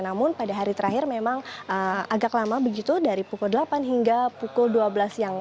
namun pada hari terakhir memang agak lama begitu dari pukul delapan hingga pukul dua belas siang